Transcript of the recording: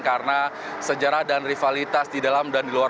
karena sejarah dan rivalitas di dalam dan di luar